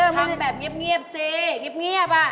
ทำแบบเงียบสิเงียบอ่ะ